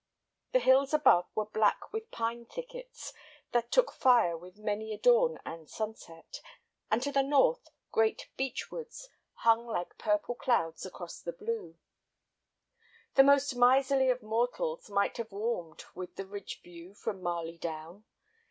The hills above were black with pine thickets that took fire with many a dawn and sunset, and to the north great beech woods hung like purple clouds across the blue. The most miserly of mortals might have warmed with the ridge view from Marley Down.